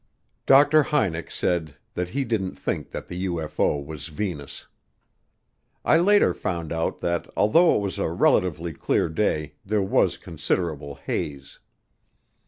Dr. Hynek said that he didn't think that the UFO was Venus. I later found out that although it was a relatively clear day there was considerable haze.